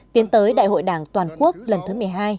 tiến tới đại hội đảng toàn quốc lần thứ một mươi hai